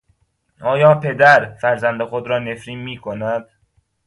آیا پدر فرزند خودرا نفرین میکند